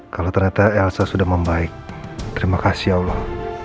kalau ternyata elsa sudah membaik terima kasih ya allah